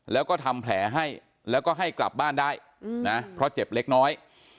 แล้วก็ทำแผลให้แล้วก็ให้กลับบ้านได้นะเพราะเจ็บเล็กน้อย